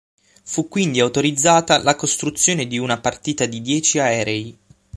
Fu quindi autorizzata la costruzione di una partita di dieci aerei.